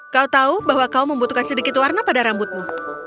kau tahu bahwa kau membutuhkan sedikit warna pada rambutmu